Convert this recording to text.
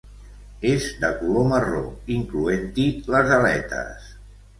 És de color marró, incloent-hi les aletes.